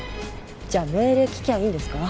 じゃあ命令聞きゃあいいんですか？